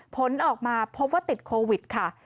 ผลออกมาพบว่าติดโควิดค่ะ